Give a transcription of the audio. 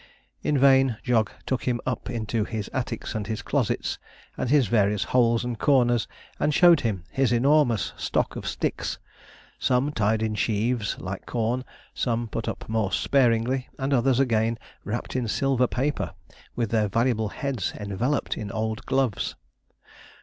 In vain Jog took him up into his attics and his closets, and his various holes and corners, and showed him his enormous stock of sticks some tied in sheaves, like corn; some put up more sparingly; and others, again, wrapped in silver paper, with their valuable heads enveloped in old gloves.